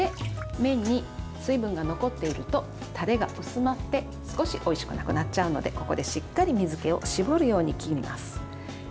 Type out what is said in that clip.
麺に水分が残っているとタレが薄まって少しおいしくなくなっちゃうのでここでしっかり水けを絞るように切ります。